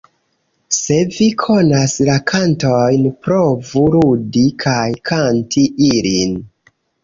Se vi konas la kantojn, provu ludi kaj kanti ilin!